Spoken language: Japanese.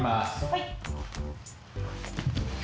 はい。